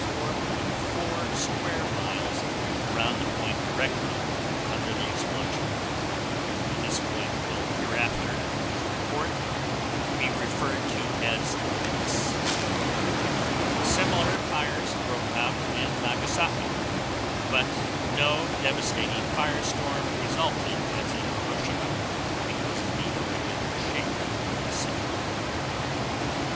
4 square miles around the point directly under the explosion (this point will hereafter in this report be referred to as X). Similar fires broke out in Nagasaki, but no devastating fire storm resulted as in Hiroshima because of the irregular shape of the city.